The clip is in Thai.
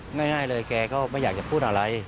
ง่ายเลยแกก็ไม่อยากจะพูดอะไร